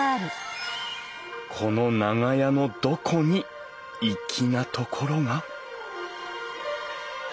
この長屋のどこに粋なところが？